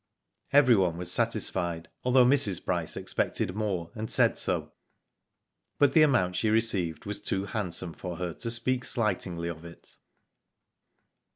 Everyone was satisfied, although Mrs. Bryce ex pected more, and said so, but the amount she received was too handsome for her to speak slightingly of it.